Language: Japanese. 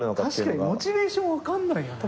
確かにモチベーション分かんないよね。